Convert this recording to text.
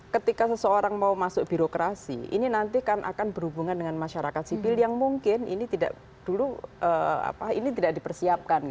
ketika seseorang mau masuk birokrasi ini nanti kan akan berhubungan dengan masyarakat sipil yang mungkin ini tidak dulu tidak dipersiapkan